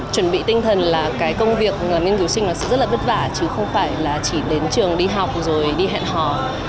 chuẩn bị tinh thần là cái công việc nghiên cứu sinh nó sẽ rất là vất vả chứ không phải là chỉ đến trường đi học rồi đi hẹn hò